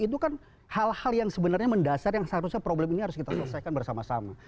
itu kan hal hal yang sebenarnya mendasar yang seharusnya problem ini harus kita selesaikan bersama sama